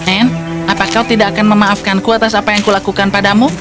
anne apa kau tidak akan memaafkanku atas apa yang kulakukan padamu